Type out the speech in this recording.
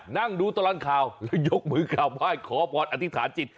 นั่งดูตลอดข่าวแล้วยกมือกราบไหว้ขอพรอธิษฐานจิต